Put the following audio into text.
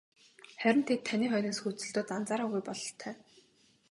Харин тэд таны хойноос хөөцөлдөөд анзаараагүй бололтой.